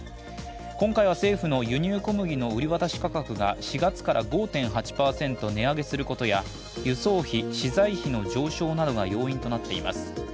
今回は政府の輸入小麦の売り渡し価格が４月から５．８％値上げすることや、輸送費、資材費の上昇などが要因となっています。